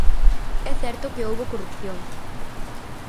É certo que houbo corrupción.